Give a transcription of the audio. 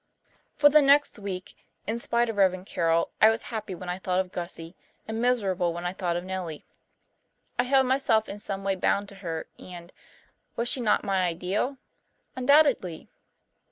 For the next week, in spite of Rev. Carroll, I was happy when I thought of Gussie and miserable when I thought of Nellie. I held myself in some way bound to her and was she not my ideal? Undoubtedly!